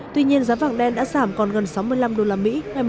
tuy nhiên giá vàng đen đã giảm còn gần sáu mươi năm đô la mỹ